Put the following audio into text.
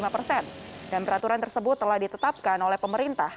lima persen dan peraturan tersebut telah ditetapkan oleh pemerintah